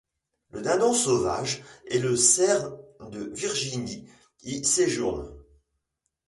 Le dindon sauvage et le cerf de Virginie y séjournent.